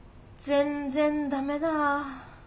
全然ダメだ。